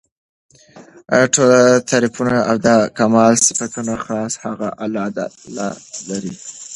ټول تعريفونه او د کمال صفتونه خاص هغه الله لره دي